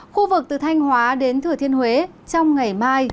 khu vực từ thanh hóa đến thừa thiên huế trong ngày mai